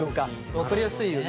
分かりやすいよね。